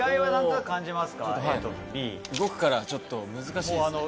動くからちょっと難しいっすね。